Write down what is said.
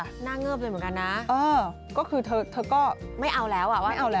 หน้าเงิบเลยเหมือนกันนะเออก็คือเธอเธอก็ไม่เอาแล้วอ่ะไม่เอาเลย